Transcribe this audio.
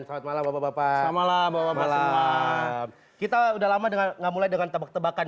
selamat malam bapak bapak malam kita udah lama dengan ngamulai dengan tebak tebakan